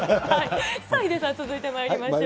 さあ、ヒデさん続いてまいりましょう。